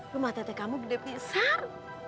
rumah tete kamu gede pisar